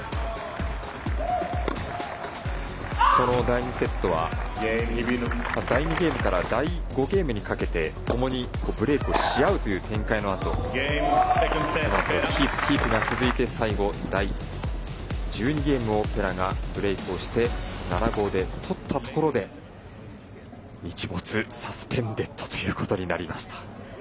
第２セットは第２ゲームから第５ゲームにかけともにブレークをしあうという展開のあとそのあとはキープが続いて最後第１２ゲームをペラがブレークをして７−５で取ったところで日没サスペンデッドということになりました。